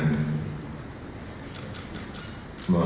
dan juga di istana merdeka